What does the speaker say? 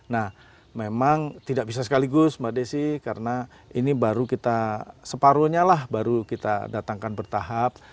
nah memang tidak bisa sekaligus mbak desi karena ini baru kita separuhnya lah baru kita datangkan bertahap